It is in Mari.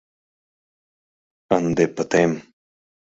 Ынде пытем!..»